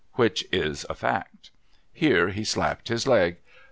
— which is a fact.' Here he slai)i)cd his leg.